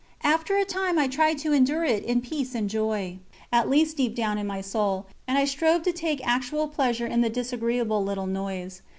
After a time I tried to endure it in peace and joy, at least deep down in my soul, and I strove to take actual pleasure in the disagreeable little noise.